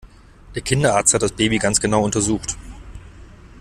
Der Kinderarzt hat das Baby ganz genau untersucht.